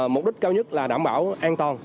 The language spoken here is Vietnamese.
mục đích cao nhất là đảm bảo an toàn